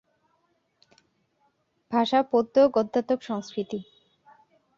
ভাষা পদ্য-গদ্যাত্মক সংস্কৃত।